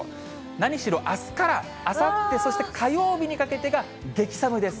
何しろあすからあさって、そして火曜日にかけてが激寒です。